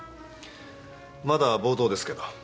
まだ冒頭ですけど。